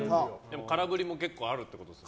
空振りも結構あるってことですか。